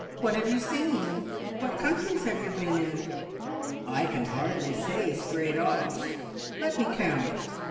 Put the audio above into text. What have you seen? What countries have you been in?" "I can hardly say straight off. Let me count.